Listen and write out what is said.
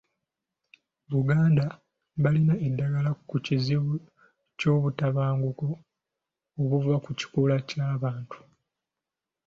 Buganda balina eddagala ku kizibu ky’obutabanguko obuva ku kikula ky’abantu.